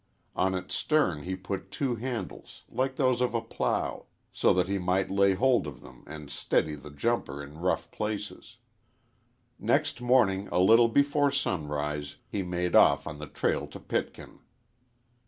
On its stern he put two handles like those of a plough so that he might lay hold of them and steady the jumper in rough places. Next morning a little before sunrise he made off on the trail to Pitkin.